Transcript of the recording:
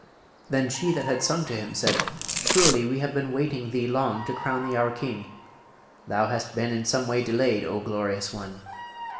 Then she that had sung to him said, 'Surely we have been waiting thee long to crown thee our King! Thou hast been in some way delayed, O glorious one!'